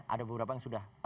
ada beberapa yang sudah